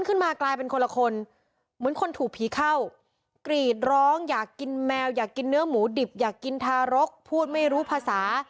กำลังเล่าแบกเด็กอยู่ในอุตสาหรัฐ